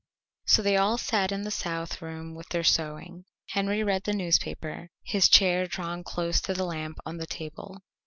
So they all sat in the south room with their sewing. Henry read the newspaper, his chair drawn close to the lamp on the table.